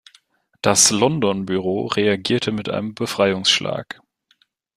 Das "London Büro" reagierte mit einem Befreiungsschlag.